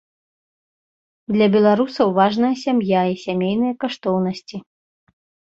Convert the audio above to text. Для беларусаў важная сям'я і сямейныя каштоўнасці.